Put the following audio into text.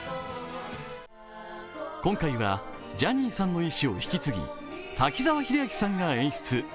今回はジャニーさんの意思を引き継ぎ、滝沢秀明さんが演出。